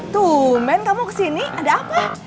tuh men kamu kesini ada apa